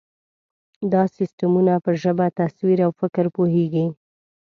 دا سیسټمونه په ژبه، تصویر، او فکر پوهېږي.